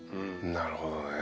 なるほどね。